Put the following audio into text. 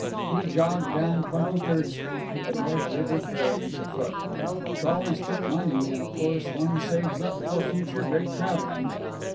He jogged down Twenty third Street to the North River ferries afoot. Trolleys took money, and of course one saves up for future great traveling.